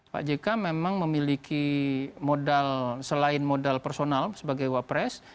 pak jk memang memiliki modal selain modal personal sebagai wapres